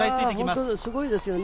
すごいですね。